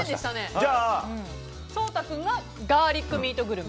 じゃあ、颯太君がガーリックミートグルメ？